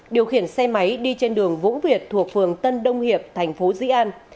điều khiển xe máy đi trên đường vũ việt thuộc phường tân đông hiệp thành phố dĩ an